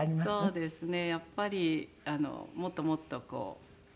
そうですね。